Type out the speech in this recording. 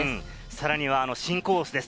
さらには新コースです。